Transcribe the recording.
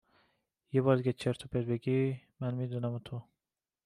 یه بار دیگه چرت و پرت بگی من می دونم و تو